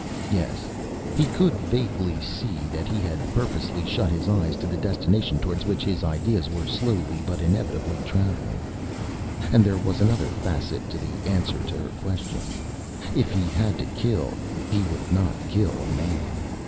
Yes, he could vaguely see that he had purposely shut his eyes to the destination towards which his ideas were slowly but inevitably traveling. And there was another facet to the answer to her question if he had to kill, he would not kill a Man.